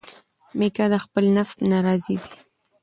میکا د خپل نفس نه راضي دی.